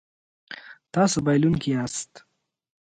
تاسو بایلونکی یاست